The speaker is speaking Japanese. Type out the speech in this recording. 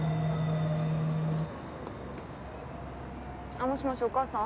あっもしもしお母さん？